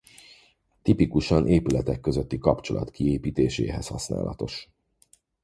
Tipikusan épületek közötti kapcsolat kiépítéséhez használatos.